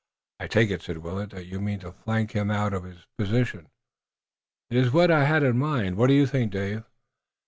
"I take it," said Willet, "that you mean to flank him out of his position." "It was what I had in mind. What do you think, Dave?"